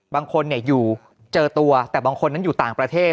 บางคนอยู่เจอตัวแต่บางคนนั้นอยู่ต่างประเทศ